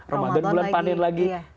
ramadan bulan panir lagi